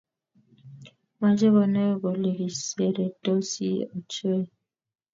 mache konai kole kiseretosi ochei